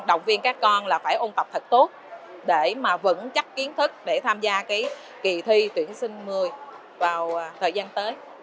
động viên các con là phải ôn tập thật tốt để mà vẫn chắc kiến thức để tham gia cái kỳ thi tuyển sinh một mươi vào thời gian tới